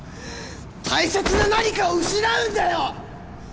大切な何かを失うんだよ！